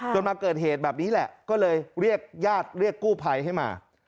มาเกิดเหตุแบบนี้แหละก็เลยเรียกญาติเรียกกู้ภัยให้มา